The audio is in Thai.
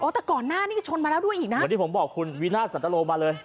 แต่ก่อนหน้านี้ก็ชนมาแล้วด้วยอีกนะเหมือนที่ผมบอกคุณวินาทสันตโลมาเลย